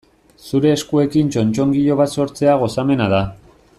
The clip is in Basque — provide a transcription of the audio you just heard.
Zure eskuekin txotxongilo bat sortzea gozamena da.